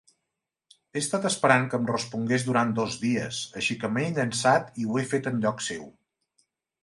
He estat esperant que em respongués durant dos dies, així que m'he llançat i ho he fet en lloc seu.